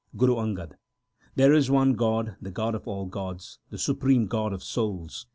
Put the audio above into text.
Guru Angad There is one God, the God of all gods, the Supreme God of souls.